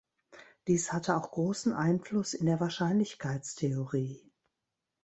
Dies hatte auch großen Einfluss in der Wahrscheinlichkeitstheorie.